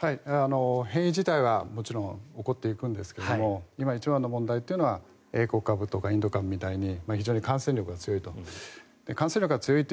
変異自体はもちろん起こっていくんですが今一番の問題は英国株とかインド株みたいに非常に感染力が強いと。